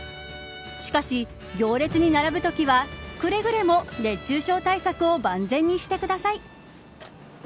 しかし、行列に並ぶときはくれぐれも熱中症対策を万全にしてください。